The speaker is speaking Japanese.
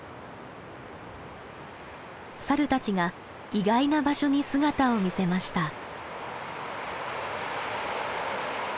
サルたちが意外な場所に姿を見せました。